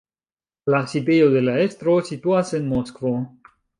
La sidejo de la estro situas en Moskvo.